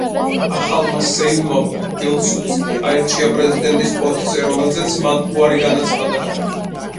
ახალმა სეიმმა პილსუდსკი აირჩია პრეზიდენტის პოსტზე, რომელზეც მან უარი განაცხადა.